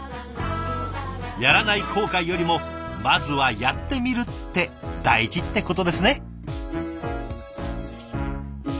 やらない後悔よりもまずはやってみるって大事ってことですね。